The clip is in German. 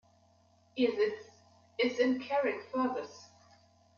Ihr Sitz ist in Carrickfergus.